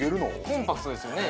コンパクトですよね